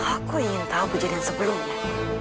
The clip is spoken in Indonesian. aku ingin tahu kejadian sebelumnya